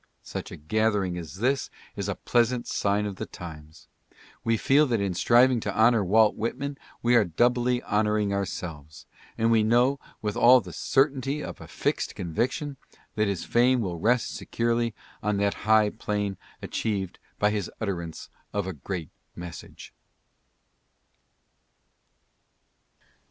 Such a gathering as this is a pleasant sign of the times. We feel that in striving to honor Walt Whitman we are doubly honoring ourselves, and we know with all the certainty of a fixed conviction that his fame will rest securely on that high plane achieved by his utterance of a great message.